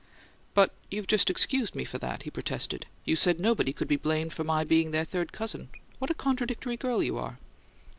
"But you've just excused me for that," he protested. "You said nobody could be blamed for my being their third cousin. What a contradictory girl you are!"